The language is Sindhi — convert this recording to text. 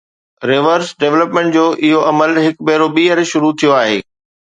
ريورس ڊولپمينٽ جو اهو عمل هڪ ڀيرو ٻيهر شروع ٿيو آهي.